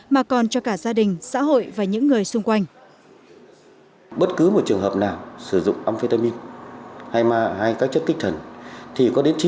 mà còn cho cả gia đình xã hội và những người xung quanh